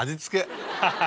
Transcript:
ハハハ。